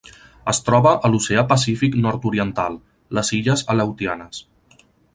Es troba a l'Oceà Pacífic nord-oriental: les Illes Aleutianes.